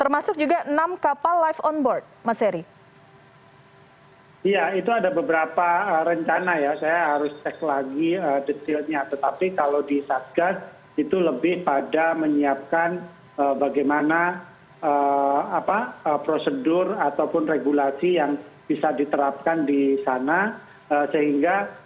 merah dan kuning